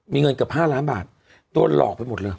มีเงินเกือบ๕ล้านบาทโดนหลอกไปหมดเลย